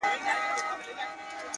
ستـا د سونډو رنگ؛